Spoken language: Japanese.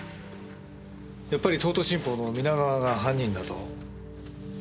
やっぱり東都新報の皆川が犯人だと？